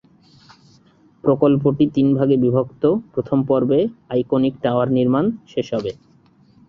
প্রকল্পটি তিন ভাগে বিভক্ত, প্রথম পর্বে আইকনিক টাওয়ার নির্মাণ শেষ হবে।